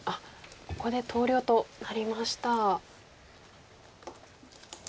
ここで投了となりました。